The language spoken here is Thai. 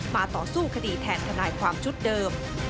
ต่อสู้คดีแทนทนายความชุดเดิม